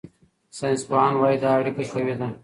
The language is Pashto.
ساینسپوهان وايي دا اړیکه قوي ده.